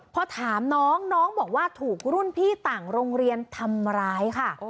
พอถามน้องน้องบอกว่าถูกรุ่นพี่ต่างโรงเรียนทำร้ายค่ะ